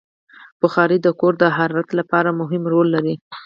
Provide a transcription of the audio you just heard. بخاري د کور د حرارت لپاره مهم رول لري.